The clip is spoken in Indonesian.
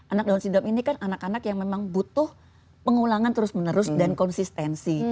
anak down syndrome ini kan anak anak yang memang butuh pengulangan terus menerus dan konsistensi